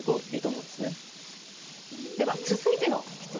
では続いての質問